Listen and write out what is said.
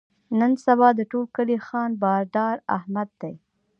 نن سبا د ټول کلي خان بادار احمد دی.